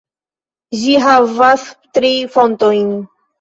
Ĝi havas tri fontojn.